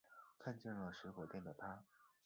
看见了水果店的她